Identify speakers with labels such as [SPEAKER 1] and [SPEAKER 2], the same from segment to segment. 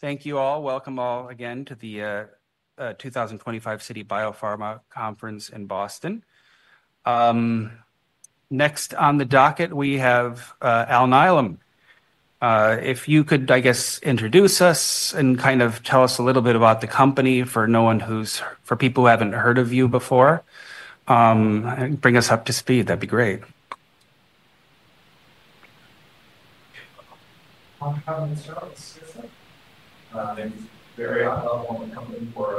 [SPEAKER 1] Thank you all. Welcome all again to the 2025 Citi Biopharma Conference in Boston. Next on the docket, we have Alnylam. If you could, I guess, introduce us and kind of tell us a little bit about the company for people who haven't heard of you before, and bring us up to speed, that'd be great.
[SPEAKER 2] I'm Kevin Fitzgerald, CSO. I'm very high level on the company for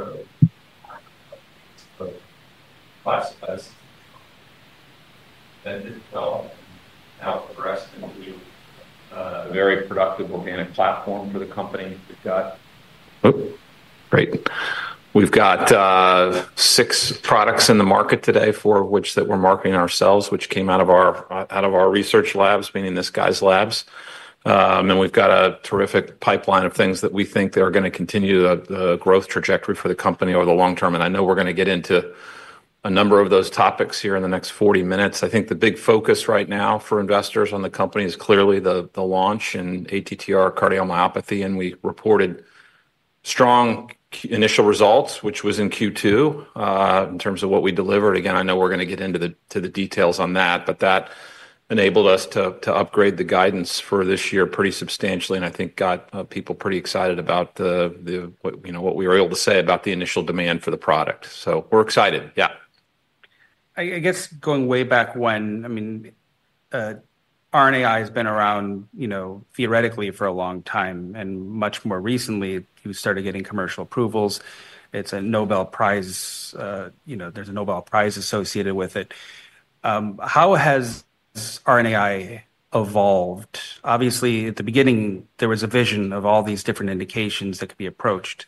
[SPEAKER 2] five years. Now for the rest of the very productive organic platform for the company we've got.
[SPEAKER 1] Great. We've got six products in the market today, four of which that we're marketing ourselves, which came out of our research labs, meaning this guy's labs. And we've got a terrific pipeline of things that we think are going to continue the growth trajectory for the company over the long term. And I know we're going to get into a number of those topics here in the next 40 minutes. I think the big focus right now for investors on the company is clearly the launch in ATTR cardiomyopathy. And we reported strong initial results, which was in Q2 in terms of what we delivered. Again, I know we're going to get into the details on that, but that enabled us to upgrade the guidance for this year pretty substantially. And I think got people pretty excited about what we were able to say about the initial demand for the product. So we're excited. Yeah.
[SPEAKER 3] I guess going way back when, I mean, RNAi has been around theoretically for a long time. And much more recently, you started getting commercial approvals. It's a Nobel Prize. There's a Nobel Prize associated with it. How has RNAi evolved? Obviously, at the beginning, there was a vision of all these different indications that could be approached.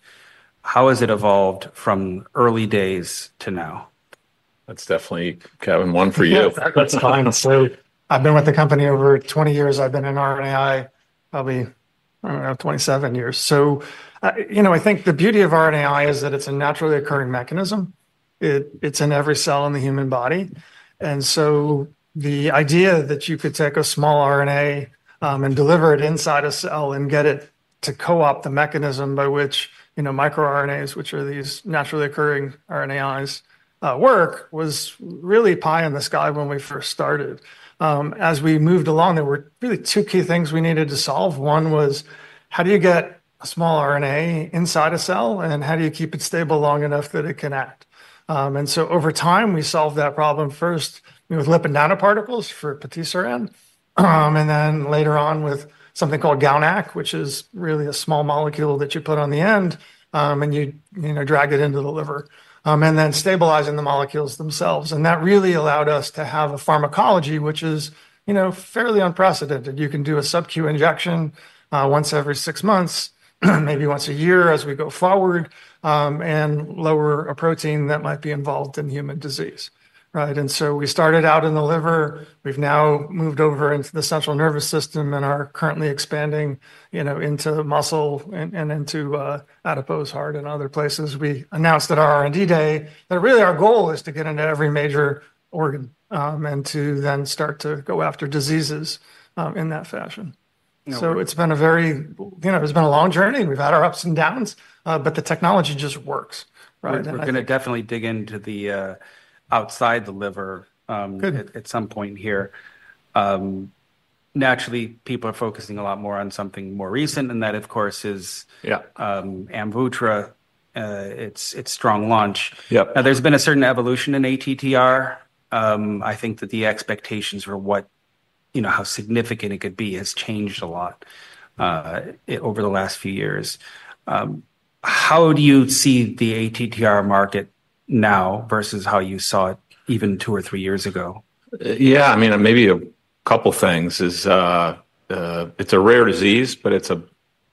[SPEAKER 3] How has it evolved from early days to now?
[SPEAKER 1] That's definitely, Kevin, one for you.
[SPEAKER 2] That's fine. I've been with the company over 20 years. I've been in RNAi probably, I don't know, 27 years. So I think the beauty of RNAi is that it's a naturally occurring mechanism. It's in every cell in the human body. And so the idea that you could take a small RNA and deliver it inside a cell and get it to co-opt the mechanism by which microRNAs, which are these naturally occurring RNAi's, work, was really pie in the sky when we first started. As we moved along, there were really two key things we needed to solve. One was, how do you get a small RNA inside a cell? And how do you keep it stable long enough that it can act? And so over time, we solved that problem first with lipid nanoparticles for patiseran. And then later on with something called GalNAc, which is really a small molecule that you put on the end and you drag it into the liver, and then stabilizing the molecules themselves. And that really allowed us to have a pharmacology, which is fairly unprecedented. You can do a subcu injection once every six months, maybe once a year as we go forward, and lower a protein that might be involved in human disease. And so we started out in the liver. We've now moved over into the central nervous system and are currently expanding into the muscle and into adipose, heart and other places. We announced at our R&D day that really our goal is to get into every major organ and to then start to go after diseases in that fashion. So it's been a very long journey. We've had our ups and downs, but the technology just works.
[SPEAKER 1] We're going to definitely dig into the outside the liver at some point here. Naturally, people are focusing a lot more on something more recent. And that, of course, is AMVUTTRA. It's strong launch. Now, there's been a certain evolution in ATTR. I think that the expectations for how significant it could be has changed a lot over the last few years. How do you see the ATTR market now versus how you saw it even two or three years ago?
[SPEAKER 4] Yeah, I mean, maybe a couple of things. It's a rare disease, but it's a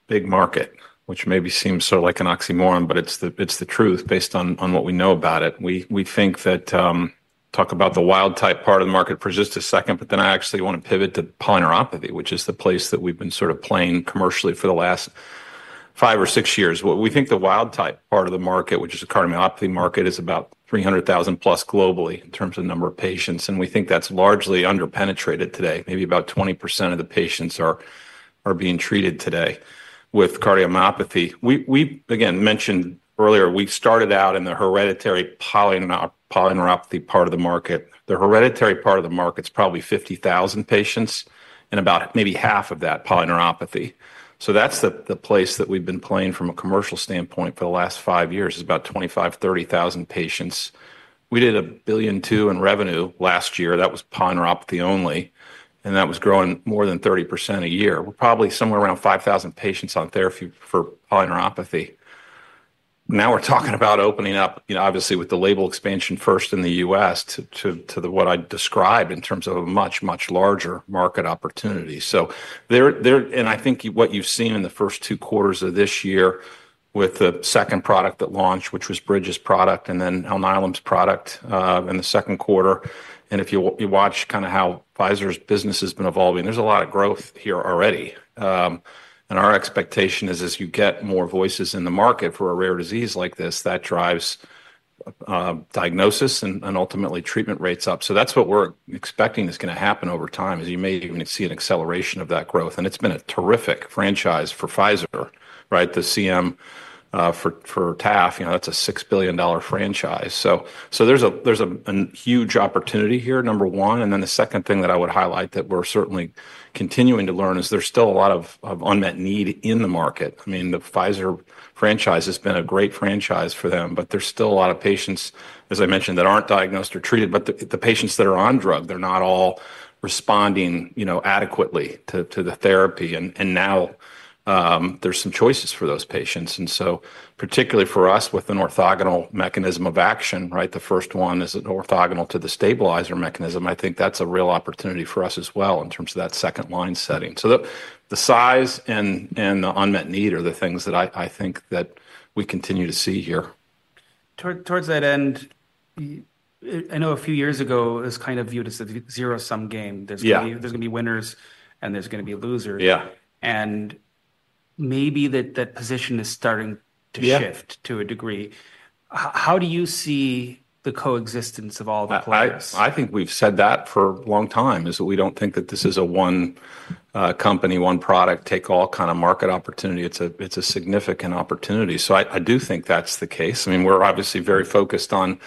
[SPEAKER 4] big market, which maybe seems sort of like an oxymoron, but it's the truth based on what we know about it. We think that, talk about the wild-type part of the market for just a second, but then I actually want to pivot to polyneuropathy, which is the place that we've been sort of playing commercially for the last five or six years. We think the wild-type part of the market, which is a cardiomyopathy market, is about 300,000 plus globally in terms of number of patients. And we think that's largely underpenetrated today. Maybe about 20% of the patients are being treated today with cardiomyopathy. We, again, mentioned earlier, we started out in the hereditary polyneuropathy part of the market. The hereditary part of the market is probably 50,000 patients and about maybe half of that polyneuropathy. So that's the place that we've been playing from a commercial standpoint for the last five years is about 25,000, 30,000 patients. We did $1.2 billion in revenue last year. That was polyneuropathy only. And that was growing more than 30% a year. We're probably somewhere around 5,000 patients on therapy for polyneuropathy. Now we're talking about opening up, obviously, with the label expansion first in the U.S. to what I described in terms of a much, much larger market opportunity. And I think what you've seen in the first two quarters of this year with the second product that launched, which was Bridge's product and then Alnylam's product in the second quarter. And if you watch kind of how Pfizer's business has been evolving, there's a lot of growth here already. Our expectation is, as you get more voices in the market for a rare disease like this, that drives diagnosis and ultimately treatment rates up. So that's what we're expecting is going to happen over time is you may even see an acceleration of that growth. And it's been a terrific franchise for Pfizer, the CM for Taf. That's a $6 billion franchise. So there's a huge opportunity here, number one. And then the second thing that I would highlight that we're certainly continuing to learn is there's still a lot of unmet need in the market. I mean, the Pfizer franchise has been a great franchise for them, but there's still a lot of patients, as I mentioned, that aren't diagnosed or treated, but the patients that are on drug, they're not all responding adequately to the therapy. And now there's some choices for those patients. And so, particularly for us with an orthogonal mechanism of action, the first one is orthogonal to the stabilizer mechanism. I think that's a real opportunity for us as well in terms of that second-line setting. So the size and the unmet need are the things that I think that we continue to see here.
[SPEAKER 3] Towards that end, I know a few years ago, this kind of view is a zero-sum game. There's going to be winners and there's going to be losers. And maybe that position is starting to shift to a degree. How do you see the coexistence of all the players?
[SPEAKER 1] I think we've said that for a long time, that we don't think that this is a one company, one product, take all kind of market opportunity. It's a significant opportunity. So I do think that's the case. I mean, we're obviously very focused on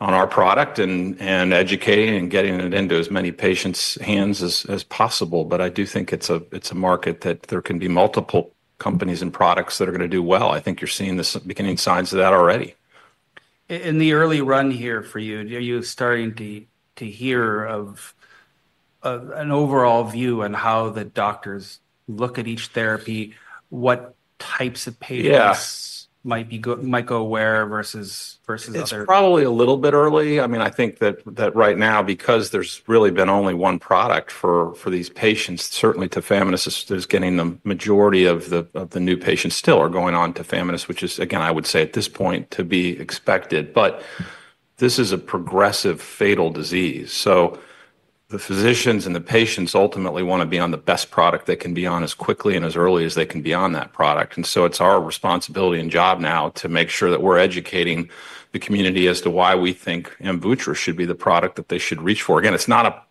[SPEAKER 1] our product and educating and getting it into as many patients' hands as possible. But I do think it's a market that there can be multiple companies and products that are going to do well. I think you're seeing the beginning signs of that already.
[SPEAKER 3] In the early run here for you, you're starting to hear of an overall view on how the doctors look at each therapy, what types of patients might go where versus other.
[SPEAKER 1] It's probably a little bit early. I mean, I think that right now, because there's really been only one product for these patients, certainly tafamidis, there's getting the majority of the new patients still are going on tafamidis, which is, again, I would say at this point to be expected, but this is a progressive fatal disease, so the physicians and the patients ultimately want to be on the best product they can be on as quickly and as early as they can be on that product, and so it's our responsibility and job now to make sure that we're educating the community as to why we think Amvutra should be the product that they should reach for. Again, it's not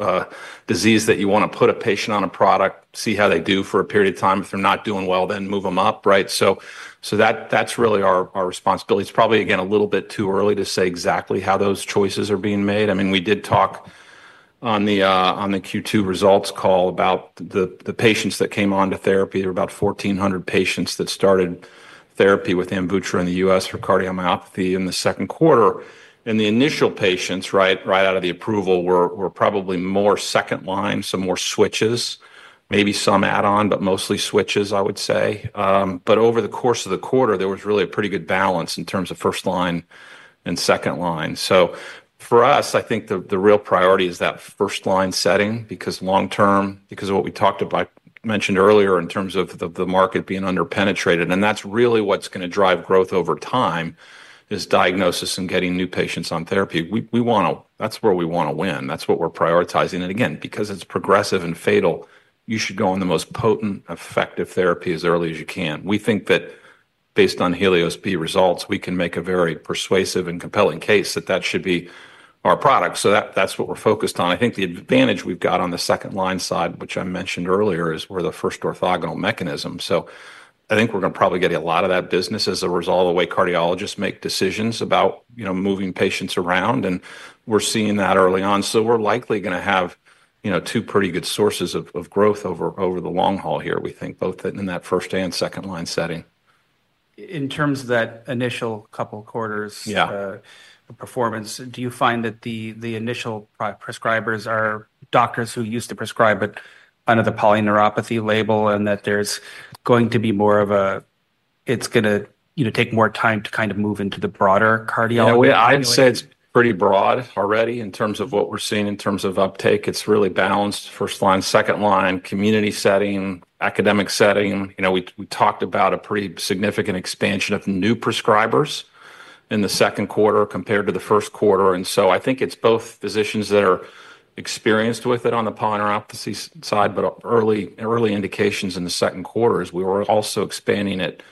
[SPEAKER 1] a disease that you want to put a patient on a product, see how they do for a period of time. If they're not doing well, then move them up. So that's really our responsibility. It's probably, again, a little bit too early to say exactly how those choices are being made. I mean, we did talk on the Q2 results call about the patients that came on to therapy. There were about 1,400 patients that started therapy with Amvutra in the U.S. for cardiomyopathy in the second quarter. And the initial patients right out of the approval were probably more second line, some more switches, maybe some add-on, but mostly switches, I would say. But over the course of the quarter, there was really a pretty good balance in terms of first line and second line. So for us, I think the real priority is that first line setting because long term, because of what we talked about, mentioned earlier in terms of the market being underpenetrated. And that's really what's going to drive growth over time is diagnosis and getting new patients on therapy. That's where we want to win. That's what we're prioritizing. And again, because it's progressive and fatal, you should go on the most potent, effective therapy as early as you can. We think that based on HELIOS-B results, we can make a very persuasive and compelling case that that should be our product. So that's what we're focused on. I think the advantage we've got on the second line side, which I mentioned earlier, is we're the first orthogonal mechanism. So I think we're going to probably get a lot of that business as a result of the way cardiologists make decisions about moving patients around. And we're seeing that early on. So we're likely going to have two pretty good sources of growth over the long haul here, we think, both in that first and second line setting.
[SPEAKER 3] In terms of that initial couple of quarters performance, do you find that the initial prescribers are doctors who used to prescribe under the polyneuropathy label and that there's going to be more of a, it's going to take more time to kind of move into the broader cardiology?
[SPEAKER 1] Yeah, I'd say it's pretty broad already in terms of what we're seeing in terms of uptake. It's really balanced: first line, second line, community setting, academic setting. We talked about a pretty significant expansion of new prescribers in the second quarter compared to the first quarter, and so I think it's both physicians that are experienced with it on the polyneuropathy side, but early indications in the second quarter is we were also expanding it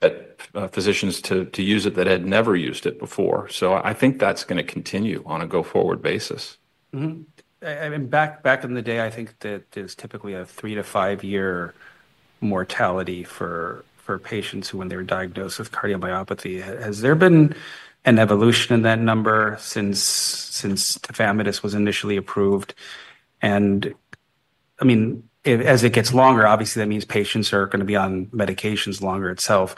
[SPEAKER 1] to physicians to use it that had never used it before, so I think that's going to continue on a go-forward basis.
[SPEAKER 3] I mean, back in the day, I think that there's typically a three to five-year mortality for patients when they're diagnosed with cardiomyopathy. Has there been an evolution in that number since tafamidis was initially approved? And I mean, as it gets longer, obviously, that means patients are going to be on medications longer itself.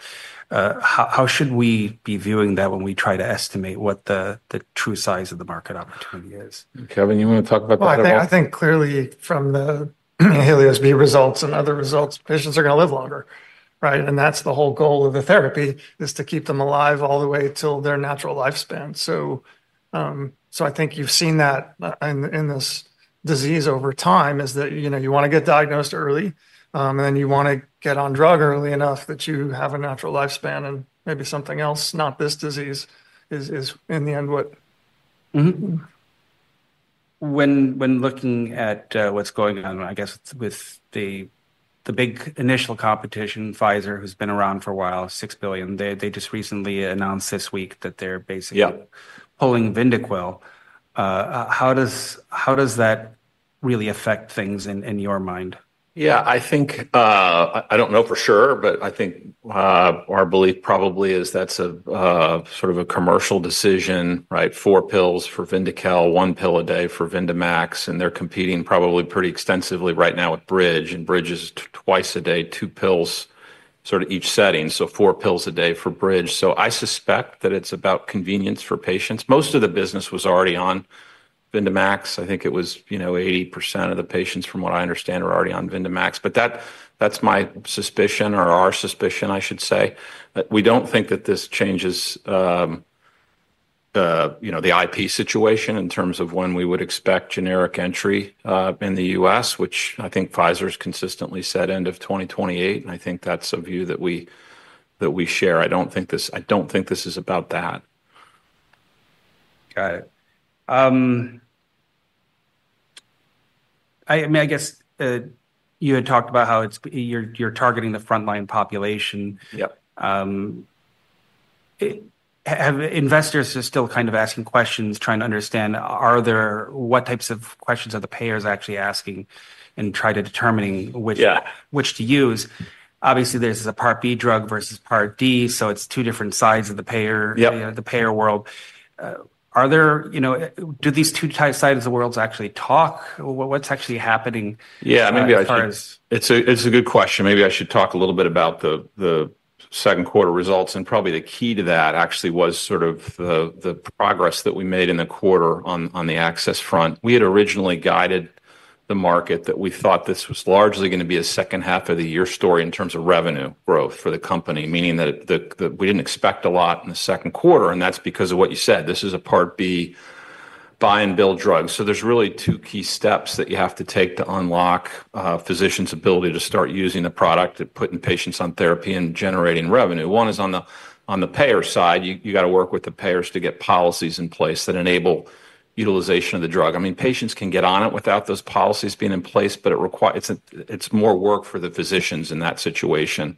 [SPEAKER 3] How should we be viewing that when we try to estimate what the true size of the market opportunity is?
[SPEAKER 1] Kevin, you want to talk about that?
[SPEAKER 2] I think clearly from the Helios B results and other results, patients are going to live longer. And that's the whole goal of the therapy is to keep them alive all the way till their natural lifespan. So I think you've seen that in this disease over time is that you want to get diagnosed early, and then you want to get on drug early enough that you have a natural lifespan and maybe something else, not this disease, is in the end what.
[SPEAKER 3] When looking at what's going on, I guess, with the big initial competition, Pfizer, who's been around for a while, $6 billion, they just recently announced this week that they're basically pulling Vyndaqel. How does that really affect things in your mind?
[SPEAKER 1] Yeah, I think I don't know for sure, but I think our belief probably is that's sort of a commercial decision, four pills for Vyndaqel, one pill a day for Vyndamax. And they're competing probably pretty extensively right now with Bridge. And Bridge is twice a day, two pills sort of each setting. So four pills a day for Bridge. So I suspect that it's about convenience for patients. Most of the business was already on Vyndamax. I think it was 80% of the patients, from what I understand, are already on Vyndamax. But that's my suspicion or our suspicion, I should say. We don't think that this changes the IP situation in terms of when we would expect generic entry in the U.S., which I think Pfizer has consistently said end of 2028. And I think that's a view that we share. I don't think this is about that.
[SPEAKER 3] Got it. I mean, I guess you had talked about how you're targeting the frontline population. Investors are still kind of asking questions, trying to understand what types of questions are the payers actually asking and try to determine which to use. Obviously, there's a Part B drug versus Part D, so it's two different sides of the payer world. Do these two sides of the world actually talk? What's actually happening?
[SPEAKER 1] Yeah, maybe I should. It's a good question. Maybe I should talk a little bit about the second quarter results. And probably the key to that actually was sort of the progress that we made in the quarter on the access front. We had originally guided the market that we thought this was largely going to be a second half of the year story in terms of revenue growth for the company, meaning that we didn't expect a lot in the second quarter. And that's because of what you said. This is a Part B buy and build drug. So there's really two key steps that you have to take to unlock physicians' ability to start using the product and putting patients on therapy and generating revenue. One is on the payer side. You got to work with the payers to get policies in place that enable utilization of the drug. I mean, patients can get on it without those policies being in place, but it's more work for the physicians in that situation,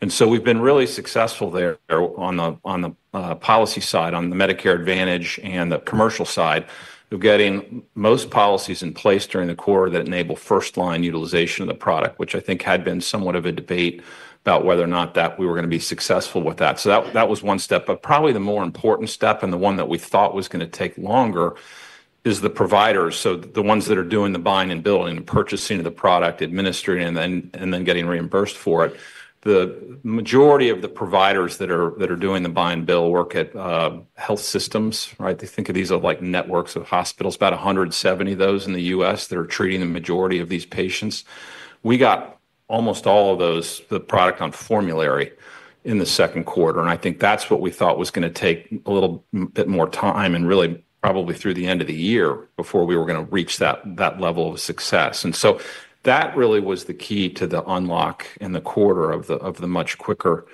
[SPEAKER 1] and so we've been really successful there on the policy side, on the Medicare Advantage and the commercial side of getting most policies in place during the quarter that enable first-line utilization of the product, which I think had been somewhat of a debate about whether or not we were going to be successful with that, so that was one step, but probably the more important step and the one that we thought was going to take longer is the providers, so the ones that are doing the buying and building, the purchasing of the product, administering, and then getting reimbursed for it. The majority of the providers that are doing the buy-and-build work at health systems. They think of these as networks of hospitals, about 170 of those in the U.S. that are treating the majority of these patients. We got almost all of those, the product on formulary in the second quarter, and I think that's what we thought was going to take a little bit more time and really probably through the end of the year before we were going to reach that level of success, and so that really was the key to the unlock in the quarter of the much quicker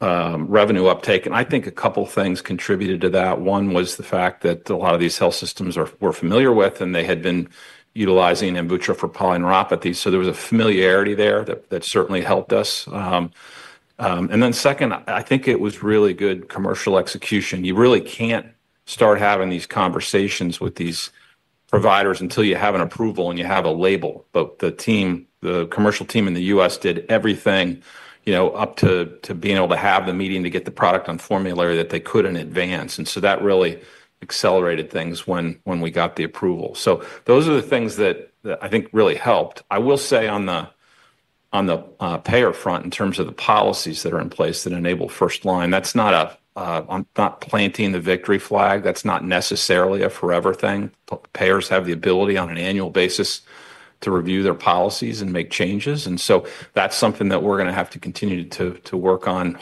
[SPEAKER 1] revenue uptake, and I think a couple of things contributed to that. One was the fact that a lot of these health systems were familiar with and they had been utilizing Amvutra for polyneuropathy, so there was a familiarity there that certainly helped us. And then second, I think it was really good commercial execution. You really can't start having these conversations with these providers until you have an approval and you have a label. But the commercial team in the U.S. did everything up to being able to have the meeting to get the product on formulary that they could in advance. And so that really accelerated things when we got the approval. So those are the things that I think really helped. I will say on the payer front in terms of the policies that are in place that enable first line, that's not planting the victory flag. That's not necessarily a forever thing. Payers have the ability on an annual basis to review their policies and make changes. And so that's something that we're going to have to continue to work on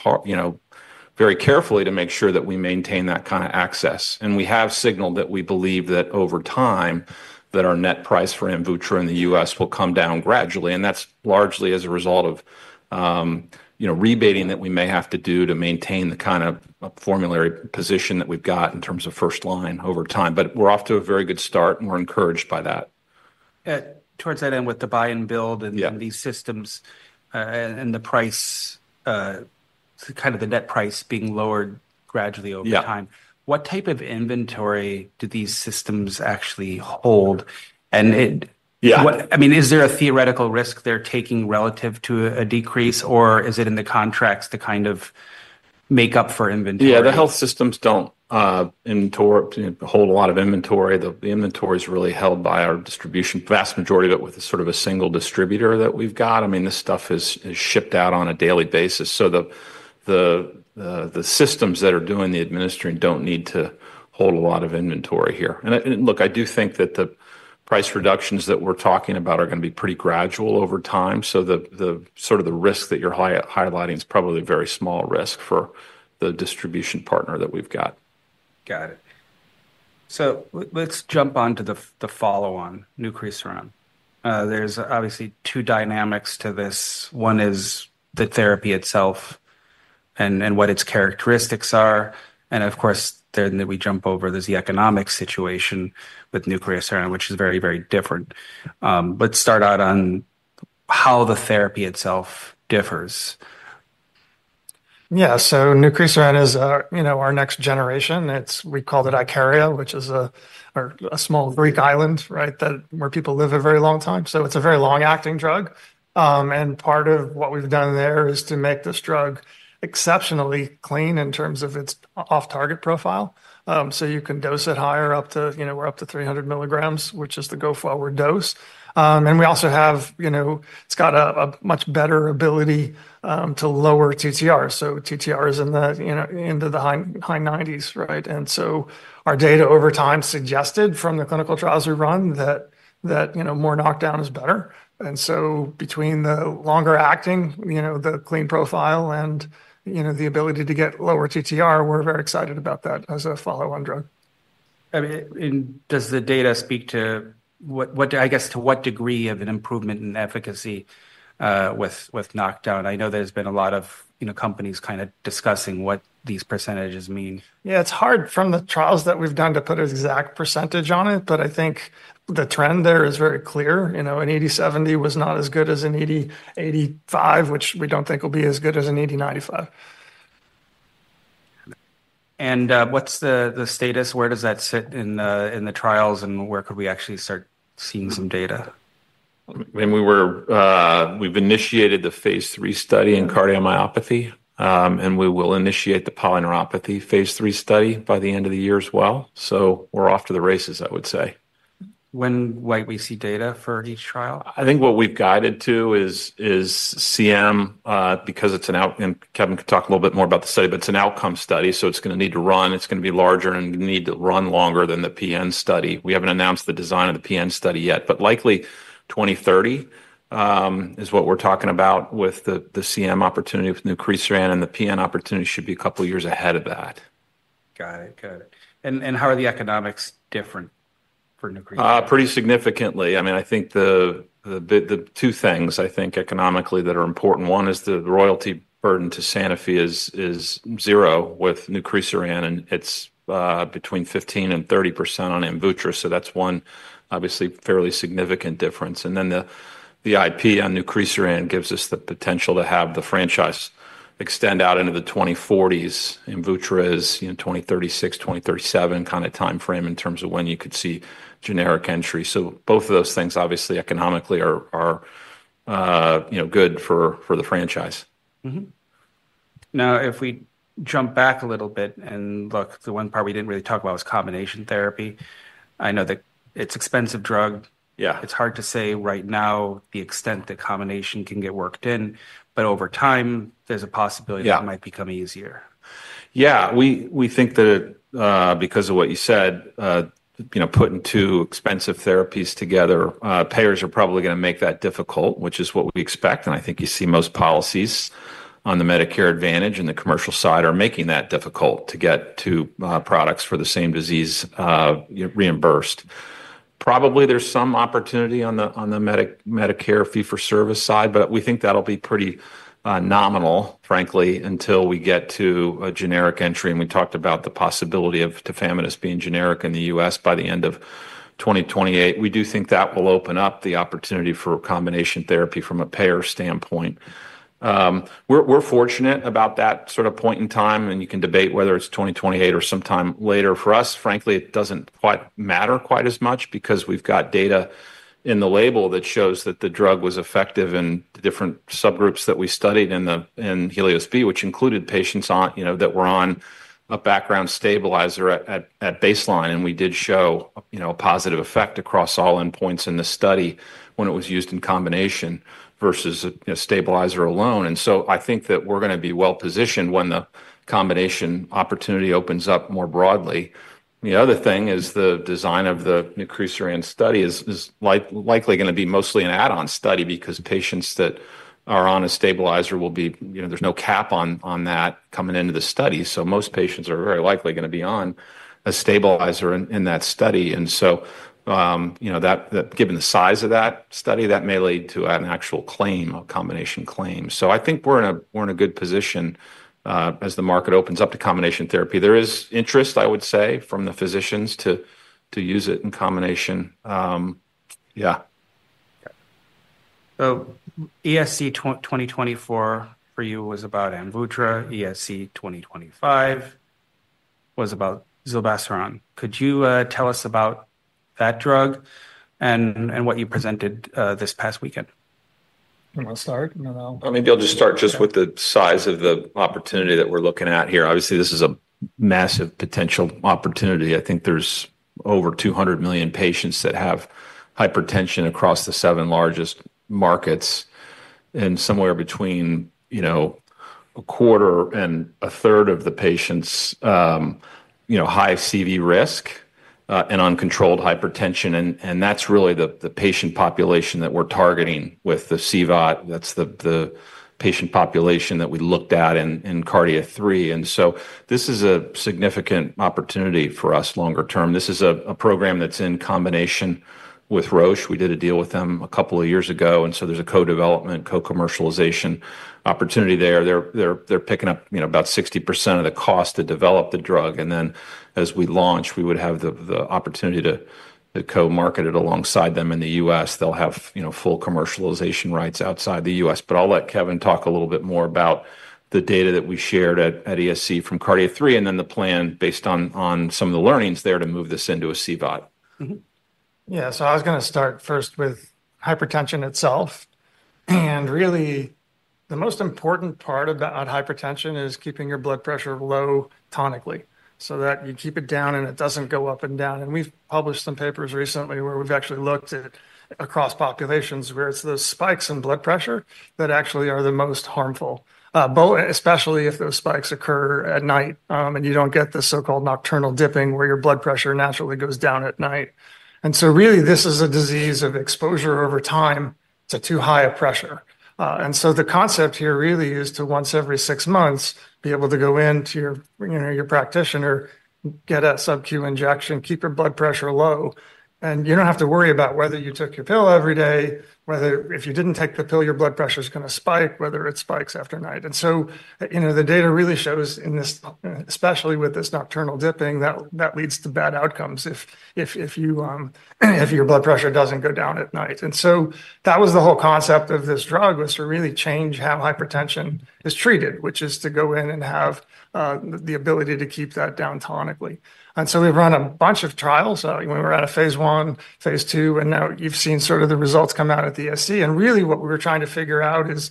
[SPEAKER 1] very carefully to make sure that we maintain that kind of access. And we have signaled that we believe that over time that our net price for Amvutra in the U.S. will come down gradually. And that's largely as a result of rebating that we may have to do to maintain the kind of formulary position that we've got in terms of first line over time. But we're off to a very good start and we're encouraged by that.
[SPEAKER 3] Towards that end with the buy and build and these systems and the price, kind of the net price being lowered gradually over time. What type of inventory do these systems actually hold? And I mean, is there a theoretical risk they're taking relative to a decrease, or is it in the contracts to kind of make up for inventory?
[SPEAKER 1] Yeah, the health systems don't hold a lot of inventory. The inventory is really held by our distribution, vast majority of it with sort of a single distributor that we've got. I mean, this stuff is shipped out on a daily basis, so the systems that are doing the administering don't need to hold a lot of inventory here, and look, I do think that the price reductions that we're talking about are going to be pretty gradual over time, so sort of the risk that you're highlighting is probably a very small risk for the distribution partner that we've got.
[SPEAKER 3] Got it. So let's jump on to the follow-on, ALN-TTRsc04. There's obviously two dynamics to this. One is the therapy itself and what its characteristics are. And of course, then we jump over. There's the economic situation with ALN-TTRsc04, which is very, very different. Let's start out on how the therapy itself differs.
[SPEAKER 2] Yeah, so Nucresiran is our next generation. We call it Icaria, which is a small Greek island where people live a very long time. So it's a very long-acting drug. And part of what we've done there is to make this drug exceptionally clean in terms of its off-target profile. So you can dose it higher up to we're up to 300 milligrams, which is the go-forward dose. And we also have it's got a much better ability to lower TTR. So TTR is into the high 90s. And so our data over time suggested from the clinical trials we've run that more knockdown is better. And so between the longer-acting, the clean profile, and the ability to get lower TTR, we're very excited about that as a follow-on drug.
[SPEAKER 3] I mean, does the data speak to, I guess, to what degree of an improvement in efficacy with knockdown? I know there's been a lot of companies kind of discussing what these percentages mean.
[SPEAKER 2] Yeah, it's hard from the trials that we've done to put an exact percentage on it, but I think the trend there is very clear. An 80/70 was not as good as an 80/85, which we don't think will be as good as an 80/95.
[SPEAKER 3] What's the status? Where does that sit in the trials, and where could we actually start seeing some data?
[SPEAKER 1] We've initiated the phase 3 study in cardiomyopathy, and we will initiate the polyneuropathy phase 3 study by the end of the year as well. So we're off to the races, I would say.
[SPEAKER 3] When might we see data for each trial?
[SPEAKER 1] I think what we've guided to is CM because it's an outcome. Kevin could talk a little bit more about the study, but it's an outcome study. So it's going to need to run. It's going to be larger and need to run longer than the PN study. We haven't announced the design of the PN study yet, but likely 2030 is what we're talking about with the CM opportunity with ALN-TTRsc04, and the PN opportunity should be a couple of years ahead of that.
[SPEAKER 3] Got it. Got it. And how are the economics different for ALN-TTRsc04?
[SPEAKER 1] Pretty significantly. I mean, I think the two things I think economically that are important. One is the royalty burden to Sanofi is zero with ALN-TTRsc04, and it's between 15%-30% on Amvutra. So that's one, obviously, fairly significant difference. And then the IP on ALN-TTRsc04 gives us the potential to have the franchise extend out into the 2040s. Amvutra is 2036, 2037 kind of timeframe in terms of when you could see generic entry. So both of those things, obviously, economically are good for the franchise.
[SPEAKER 3] Now, if we jump back a little bit and look, the one part we didn't really talk about was combination therapy. I know that it's an expensive drug. It's hard to say right now the extent that combination can get worked in, but over time, there's a possibility it might become easier.
[SPEAKER 1] Yeah, we think that because of what you said, putting two expensive therapies together, payers are probably going to make that difficult, which is what we expect. And I think you see most policies on the Medicare Advantage and the commercial side are making that difficult to get two products for the same disease reimbursed. Probably there's some opportunity on the Medicare fee-for-service side, but we think that'll be pretty nominal, frankly, until we get to a generic entry. And we talked about the possibility of Tafamidis being generic in the U.S. by the end of 2028. We do think that will open up the opportunity for combination therapy from a payer standpoint. We're fortunate about that sort of point in time, and you can debate whether it's 2028 or sometime later. For us, frankly, it doesn't quite matter quite as much because we've got data in the label that shows that the drug was effective in the different subgroups that we studied in HELIOS-B, which included patients that were on a background stabilizer at baseline. And we did show a positive effect across all endpoints in the study when it was used in combination versus a stabilizer alone. And so I think that we're going to be well-positioned when the combination opportunity opens up more broadly. The other thing is the design of the ALN-TTRsc04 study is likely going to be mostly an add-on study because patients that are on a stabilizer will be. There's no cap on that coming into the study. So most patients are very likely going to be on a stabilizer in that study. And so given the size of that study, that may lead to an actual claim, a combination claim. So I think we're in a good position as the market opens up to combination therapy. There is interest, I would say, from the physicians to use it in combination. Yeah.
[SPEAKER 3] So ESC 2024 for you was about Amvutra. ESC 2025 was about zilebesiran. Could you tell us about that drug and what you presented this past weekend?
[SPEAKER 2] I'm going to start.
[SPEAKER 1] Maybe I'll just start with the size of the opportunity that we're looking at here. Obviously, this is a massive potential opportunity. I think there's over 200 million patients that have hypertension across the seven largest markets and somewhere between a quarter and a third of the patients' high CV risk and uncontrolled hypertension. And that's really the patient population that we're targeting with the CVOT. That's the patient population that we looked at in KARDIA-3. And so this is a significant opportunity for us longer term. This is a program that's in combination with Roche. We did a deal with them a couple of years ago. And so there's a co-development, co-commercialization opportunity there. They're picking up about 60% of the cost to develop the drug. And then as we launch, we would have the opportunity to co-market it alongside them in the U.S. They'll have full commercialization rights outside the U.S. But I'll let Kevin talk a little bit more about the data that we shared at ESC from KARDIA-3 and then the plan based on some of the learnings there to move this into a CVOT.
[SPEAKER 2] Yeah, so I was going to start first with hypertension itself. And really, the most important part about hypertension is keeping your blood pressure low tonically so that you keep it down and it doesn't go up and down. And we've published some papers recently where we've actually looked at across populations where it's those spikes in blood pressure that actually are the most harmful, especially if those spikes occur at night and you don't get the so-called nocturnal dipping where your blood pressure naturally goes down at night. And so really, this is a disease of exposure over time to too high a pressure. And so the concept here really is to once every six months be able to go in to your practitioner, get a subcu injection, keep your blood pressure low, and you don't have to worry about whether you took your pill every day, whether if you didn't take the pill, your blood pressure is going to spike, whether it spikes after night. And so the data really shows in this, especially with this nocturnal dipping, that leads to bad outcomes if your blood pressure doesn't go down at night. And so that was the whole concept of this drug was to really change how hypertension is treated, which is to go in and have the ability to keep that down tonically. And so we've run a bunch of trials. We were at a phase 1, phase 2, and now you've seen sort of the results come out at the ESC. And really what we were trying to figure out is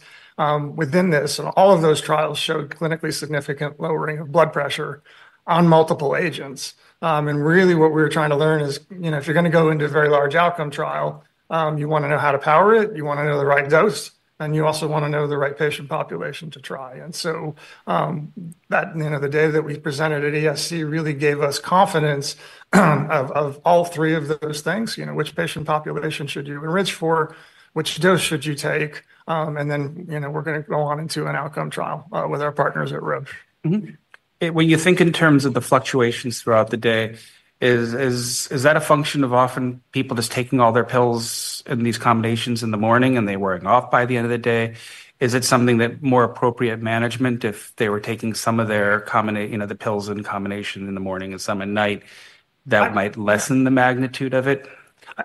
[SPEAKER 2] within this, all of those trials showed clinically significant lowering of blood pressure on multiple agents. And really what we were trying to learn is if you're going to go into a very large outcome trial, you want to know how to power it. You want to know the right dose, and you also want to know the right patient population to try. And so the data that we presented at ESC really gave us confidence of all three of those things. Which patient population should you enrich for? Which dose should you take? And then we're going to go on into an outcome trial with our partners at Roche.
[SPEAKER 3] When you think in terms of the fluctuations throughout the day, is that a function of often people just taking all their pills and these combinations in the morning and they wearing off by the end of the day? Is it something that more appropriate management if they were taking some of the pills in combination in the morning and some at night that might lessen the magnitude of it?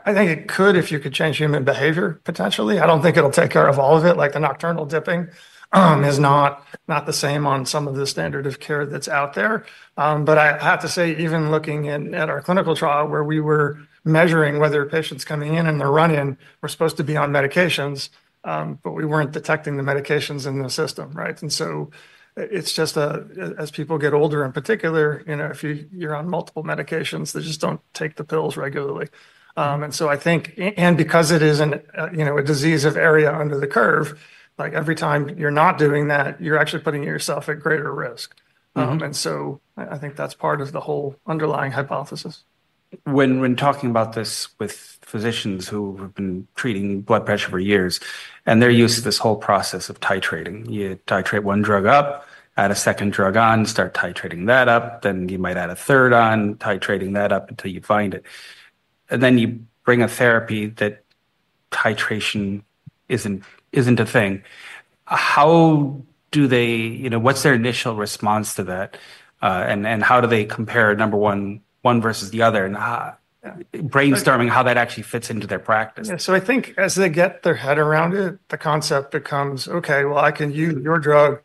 [SPEAKER 2] I think it could if you could change human behavior potentially. I don't think it'll take care of all of it. Like the nocturnal dipping is not the same on some of the standard of care that's out there. But I have to say, even looking at our clinical trial where we were measuring whether patients coming in and they're running, we're supposed to be on medications, but we weren't detecting the medications in the system. And so it's just as people get older in particular, if you're on multiple medications, they just don't take the pills regularly. And so I think, and because it is a disease of area under the curve, every time you're not doing that, you're actually putting yourself at greater risk. And so I think that's part of the whole underlying hypothesis.
[SPEAKER 3] When talking about this with physicians who have been treating blood pressure for years and they're used to this whole process of titrating, you titrate one drug up, add a second drug on, start titrating that up, then you might add a third on, titrating that up until you find it. And then you bring a therapy that titration isn't a thing. How do they, what's their initial response to that? And how do they compare number one versus the other? And brainstorming how that actually fits into their practice.
[SPEAKER 2] Yeah, so I think as they get their head around it, the concept becomes, okay, well, I can use your drug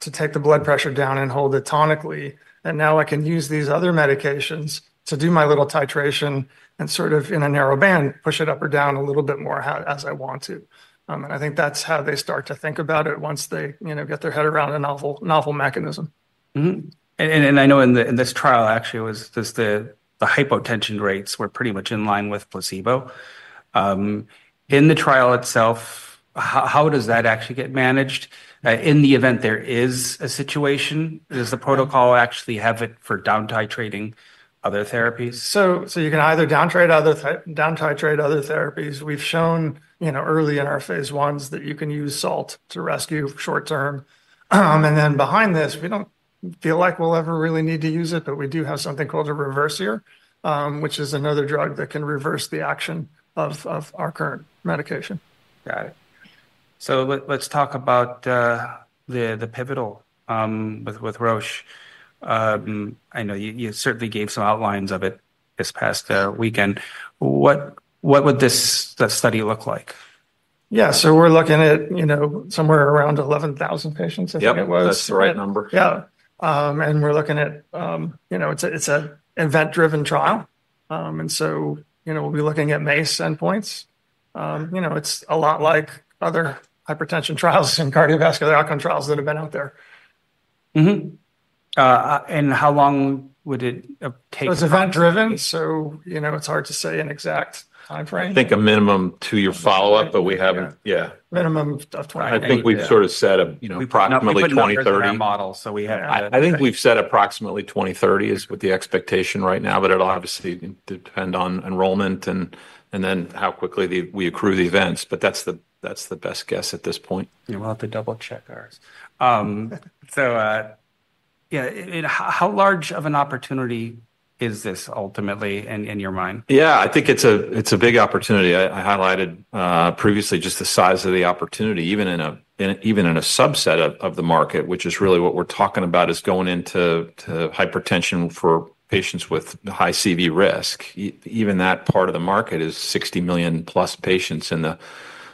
[SPEAKER 2] to take the blood pressure down and hold it tonically. And now I can use these other medications to do my little titration and sort of in a narrow band, push it up or down a little bit more as I want to. And I think that's how they start to think about it once they get their head around a novel mechanism.
[SPEAKER 3] I know in this trial, actually, the hypotension rates were pretty much in line with placebo. In the trial itself, how does that actually get managed? In the event there is a situation, does the protocol actually have it for downtitrating other therapies?
[SPEAKER 2] So you can either downtitrate other therapies. We've shown early in our phase 1s that you can use salt to rescue short term. And then behind this, we don't feel like we'll ever really need to use it, but we do have something called a reverser, which is another drug that can reverse the action of our current medication.
[SPEAKER 3] Got it. So let's talk about the pivotal with Roche. I know you certainly gave some outlines of it this past weekend. What would this study look like?
[SPEAKER 2] Yeah, so we're looking at somewhere around 11,000 patients, I think it was.
[SPEAKER 1] Yeah, that's the right number.
[SPEAKER 2] Yeah. And we're looking at. It's an event-driven trial. And so we'll be looking at MACE endpoints. It's a lot like other hypertension trials and cardiovascular outcome trials that have been out there.
[SPEAKER 3] How long would it take?
[SPEAKER 2] It's event-driven, so it's hard to say an exact timeframe.
[SPEAKER 1] I think a minimum two-year follow-up, but we haven't, yeah.
[SPEAKER 2] Minimum of 2030.
[SPEAKER 1] I think we've sort of set approximately 2030.
[SPEAKER 3] We've got a model, so we have.
[SPEAKER 1] I think we've set approximately 2030 is what the expectation right now, but it'll obviously depend on enrollment and then how quickly we accrue the events, but that's the best guess at this point.
[SPEAKER 3] Yeah, we'll have to double-check ours. So how large of an opportunity is this ultimately in your mind?
[SPEAKER 1] Yeah, I think it's a big opportunity. I highlighted previously just the size of the opportunity, even in a subset of the market, which is really what we're talking about is going into hypertension for patients with high CV risk. Even that part of the market is 60 million-plus patients in the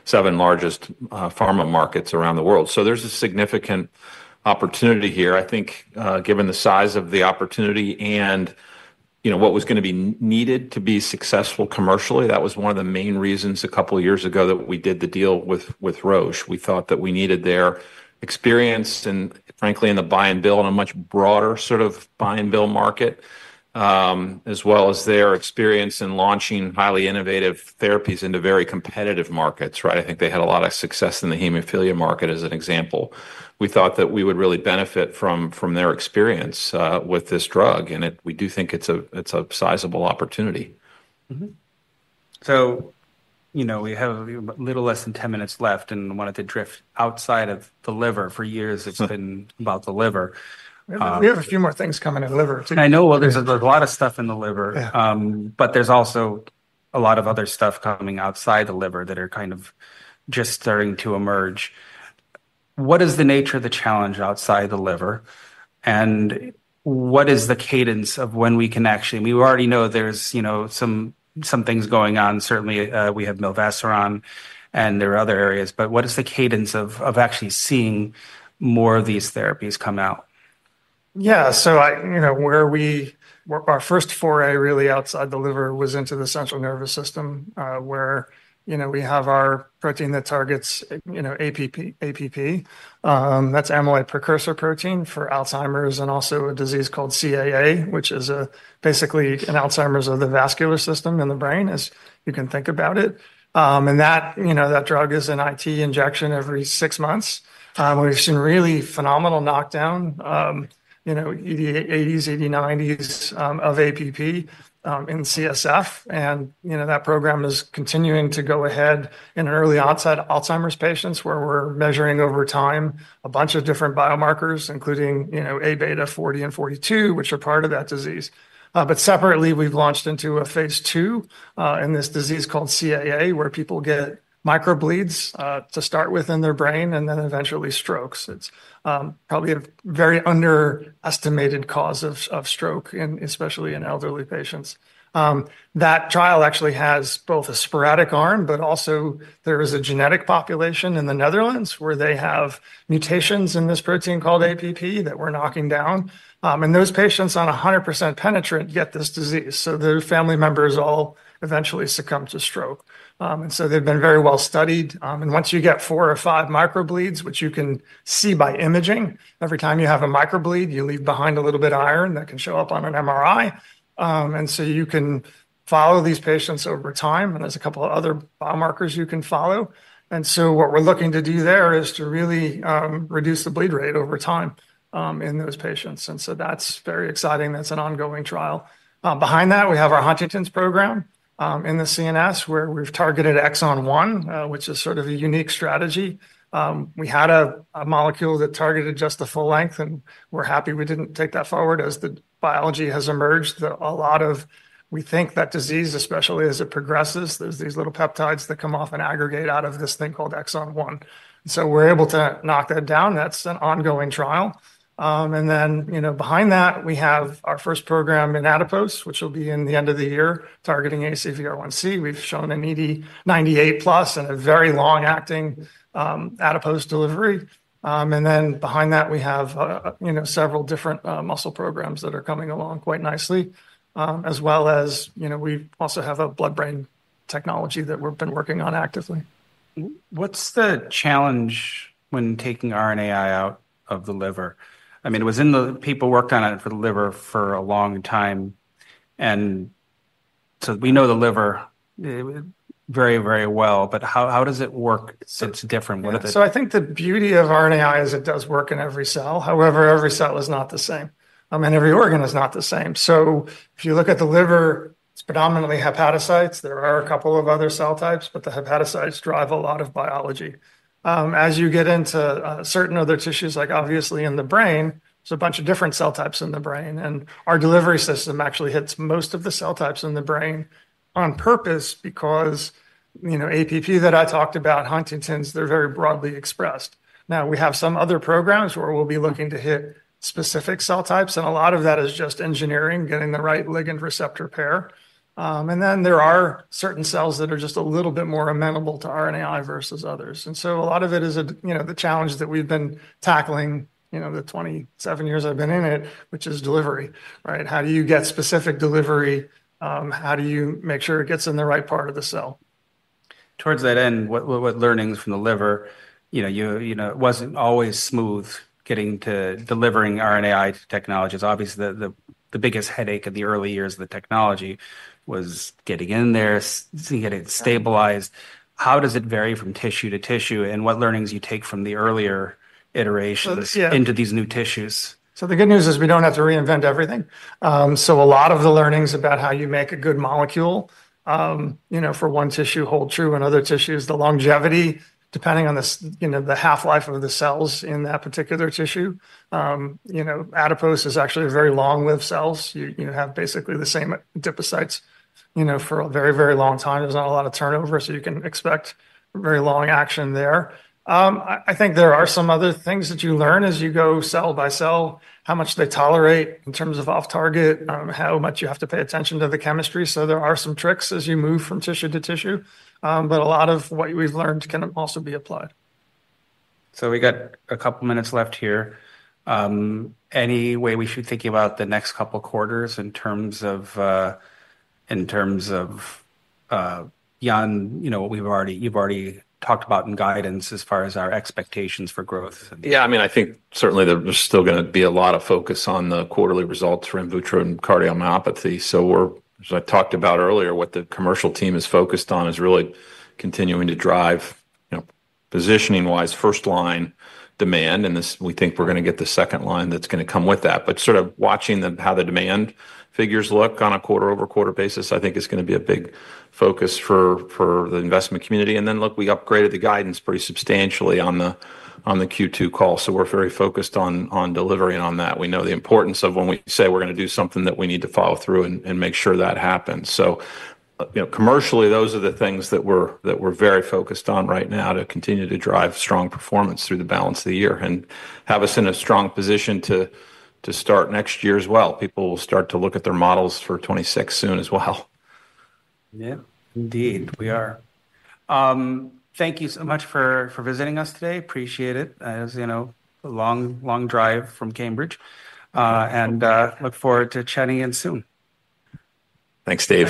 [SPEAKER 1] seven largest pharma markets around the world. So there's a significant opportunity here. I think given the size of the opportunity and what was going to be needed to be successful commercially, that was one of the main reasons a couple of years ago that we did the deal with Roche. We thought that we needed their experience and, frankly, in the buy-and-bill in a much broader sort of buy-and-bill market, as well as their experience in launching highly innovative therapies into very competitive markets. I think they had a lot of success in the hemophilia market as an example. We thought that we would really benefit from their experience with this drug. And we do think it's a sizable opportunity.
[SPEAKER 3] So we have a little less than 10 minutes left and wanted to drift outside of the liver. For years, it's been about the liver.
[SPEAKER 2] We have a few more things coming in the liver.
[SPEAKER 3] I know there's a lot of stuff in the liver, but there's also a lot of other stuff coming outside the liver that are kind of just starting to emerge. What is the nature of the challenge outside the liver? And what is the cadence of when we can actually, we already know there's some things going on. Certainly, we have Mivelsiran, and there are other areas, but what is the cadence of actually seeing more of these therapies come out?
[SPEAKER 2] Yeah, so where we, our first foray really outside the liver was into the central nervous system where we have our protein that targets APP. That's amyloid precursor protein for Alzheimer's and also a disease called CAA, which is basically Alzheimer's of the vascular system in the brain, as you can think about it. And that drug is an IT injection every six months. We've seen really phenomenal knockdown, 80s, 80s, 90s of APP in CSF. And that program is continuing to go ahead in early onset Alzheimer's patients where we're measuring over time a bunch of different biomarkers, including Aβ40 and 42, which are part of that disease. But separately, we've launched into a phase 2 in this disease called CAA where people get microbleeds to start with in their brain and then eventually strokes. It's probably a very underestimated cause of stroke, especially in elderly patients. That trial actually has both a sporadic arm, but also there is a genetic population in the Netherlands where they have mutations in this protein called APP that we're knocking down. And those patients on 100% penetrant get this disease. So their family members all eventually succumb to stroke. And so they've been very well studied. And once you get four or five microbleeds, which you can see by imaging, every time you have a microbleed, you leave behind a little bit of iron that can show up on an MRI. And so you can follow these patients over time. And there's a couple of other biomarkers you can follow. And so what we're looking to do there is to really reduce the bleed rate over time in those patients. And so that's very exciting. That's an ongoing trial. Behind that, we have our Huntington's program in the CNS where we've targeted Exon 1, which is sort of a unique strategy. We had a molecule that targeted just the full length, and we're happy we didn't take that forward as the biology has emerged. A lot of, we think that disease, especially as it progresses, there's these little peptides that come off and aggregate out of this thing called Exon 1. And so we're able to knock that down. That's an ongoing trial. And then behind that, we have our first program in adipose, which will be in the end of the year, targeting ACVR1C. We've shown an KD of 98 plus and a very long-acting adipose delivery. And then behind that, we have several different muscle programs that are coming along quite nicely, as well as we also have a blood-brain technology that we've been working on actively.
[SPEAKER 3] What's the challenge when taking RNAi out of the liver? I mean, it was the people who worked on it for the liver for a long time. So we know the liver very, very well, but how does it work? It's different.
[SPEAKER 2] So I think the beauty of RNAi is it does work in every cell. However, every cell is not the same. I mean, every organ is not the same. So if you look at the liver, it's predominantly hepatocytes. There are a couple of other cell types, but the hepatocytes drive a lot of biology. As you get into certain other tissues, like obviously in the brain, there's a bunch of different cell types in the brain. And our delivery system actually hits most of the cell types in the brain on purpose because APP that I talked about, Huntington's, they're very broadly expressed. Now, we have some other programs where we'll be looking to hit specific cell types. And a lot of that is just engineering, getting the right ligand receptor pair. And then there are certain cells that are just a little bit more amenable to RNAi versus others. And so a lot of it is the challenge that we've been tackling the 27 years I've been in it, which is delivery. How do you get specific delivery? How do you make sure it gets in the right part of the cell?
[SPEAKER 3] Towards that end, what learnings from the liver? It wasn't always smooth getting to delivering RNAi technologies. Obviously, the biggest headache in the early years of the technology was getting in there, getting it stabilized. How does it vary from tissue to tissue? And what learnings you take from the earlier iterations into these new tissues?
[SPEAKER 2] So the good news is we don't have to reinvent everything. So a lot of the learnings about how you make a good molecule for one tissue hold true in other tissues, the longevity, depending on the half-life of the cells in that particular tissue. Adipose is actually a very long-lived cells. You have basically the same adipocytes for a very, very long time. There's not a lot of turnover, so you can expect very long action there. I think there are some other things that you learn as you go cell by cell, how much they tolerate in terms of off-target, how much you have to pay attention to the chemistry. So there are some tricks as you move from tissue to tissue. But a lot of what we've learned can also be applied.
[SPEAKER 3] So we got a couple of minutes left here. Any way we should think about the next couple of quarters in terms of beyond what we've already talked about in guidance as far as our expectations for growth?
[SPEAKER 1] Yeah, I mean, I think certainly there's still going to be a lot of focus on the quarterly results for Amvutra cardiomyopathy. So as I talked about earlier, what the commercial team is focused on is really continuing to drive positioning-wise first-line demand. And we think we're going to get the second line that's going to come with that. But sort of watching how the demand figures look on a quarter-over-quarter basis, I think it's going to be a big focus for the investment community. And then look, we upgraded the guidance pretty substantially on the Q2 call. So we're very focused on delivery and on that. We know the importance of when we say we're going to do something that we need to follow through and make sure that happens. So commercially, those are the things that we're very focused on right now to continue to drive strong performance through the balance of the year and have us in a strong position to start next year as well. People will start to look at their models for 2026 soon as well.
[SPEAKER 3] Yeah, indeed. We are. Thank you so much for visiting us today. Appreciate it. It was a long drive from Cambridge. And look forward to chatting again soon.
[SPEAKER 1] Thanks, David.